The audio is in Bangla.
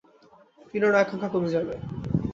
টিনারও আকাঙ্ক্ষা কমে যাবে।